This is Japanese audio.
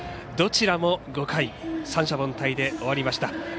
どちらも５回、三者凡退で終わりました。